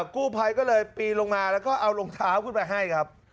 กู้ภัยก็เลยปีนลงมาแล้วก็เอารองเท้าขึ้นไปให้ครับ